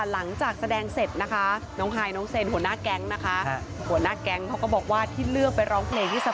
มันจริง